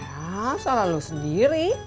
ya selalu sendiri